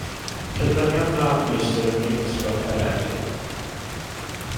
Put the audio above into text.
Derbyniodd Radd Meistr ym Mhrifysgol Caeredin.